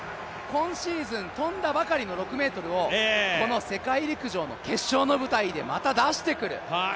今シーズン跳んだばかりの６ｍをこの世界陸上の決勝の舞台でまた出してくる。